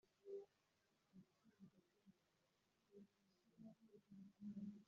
abasuhuke mu gihugu cy’ abandi bazabahindura abapagani